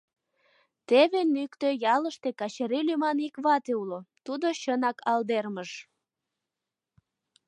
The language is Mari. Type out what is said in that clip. Теве Нӱктӧ ялыште Качырий лӱман ик вате уло, тудо чынак алдермыж.